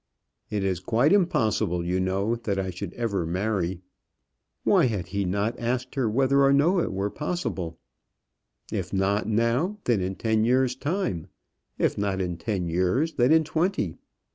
"It is quite impossible, you know, that I should ever marry!" Why had he not asked her whether or no it were possible; if not now, then in ten years' time if not in ten years, then in twenty?